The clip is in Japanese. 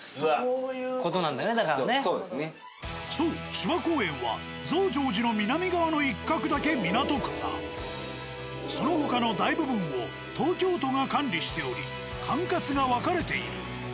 芝公園は増上寺の南側の一角だけ港区がその他の大部分を東京都が管理しており管轄が分かれている。